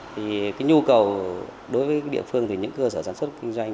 thì cái nhu cầu đối với địa phương thì những cơ sở sản xuất kinh doanh